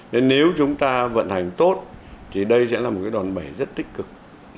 nên nếu chúng ta vận hành tốt thì đây sẽ là một cái đòn bẩy rất tích cực